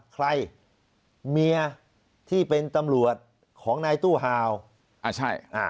ใครเมียที่เป็นตำรวจของนายตู้ฮาวอ่าใช่